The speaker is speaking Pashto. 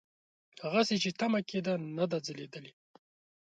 هغسې چې تمه کېده نه ده ځلېدلې.